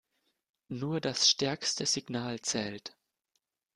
Nur das stärkste Signal zählt.